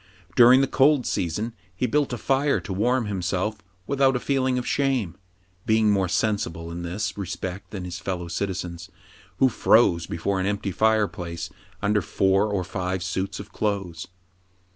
During the cold season he built a fire to warm himself without a feeling of shame, being more sensible in this re spect than his fellow citizens, who froze before an empty fireplace under four or five suits of clothes.